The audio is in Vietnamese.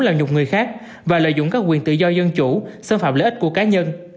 làm nhục người khác và lợi dụng các quyền tự do dân chủ xâm phạm lợi ích của cá nhân